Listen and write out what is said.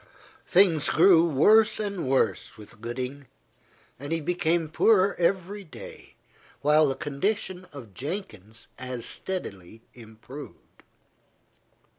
Things grew worse and worse with Gooding, and he became poorer every day, while the condition of Jenkins as steadily improved.